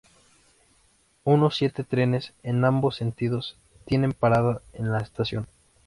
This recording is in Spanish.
Unos siete trenes, en ambos sentidos, tienen parada en la estación.